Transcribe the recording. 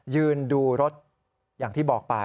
ยืนดูรถอย่างที่บอกไป